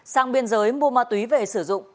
sang biên giới mua ma túy về sử dụng